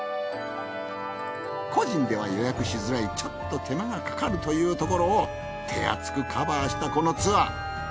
個人では予約しづらいちょっと手間がかかるというところを手厚くカバーしたこのツアー。